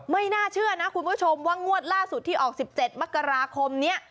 ไม่น่าเชื่อนะคุณผู้ชมว่างวดล่าสุดที่ออก๑๗มกราคมนี้